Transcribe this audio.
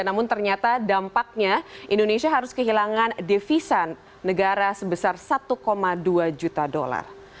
namun ternyata dampaknya indonesia harus kehilangan devisa negara sebesar satu dua juta dolar